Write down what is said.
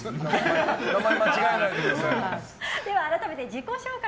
改めて自己紹介